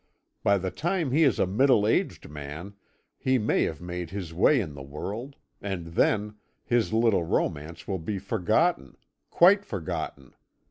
By the time he is a middle aged man he may have made his way in the world, and then his little romance will be forgotten quite forgotten.